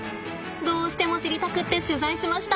どうしても知りたくって取材しました。